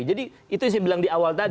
jadi itu yang saya bilang di awal tadi